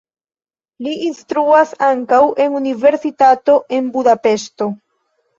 Li instruas ankaŭ en universitato en Budapeŝto.